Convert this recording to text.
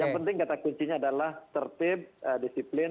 yang penting kata kuncinya adalah tertib disiplin